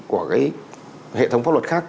của cái hệ thống pháp luật khác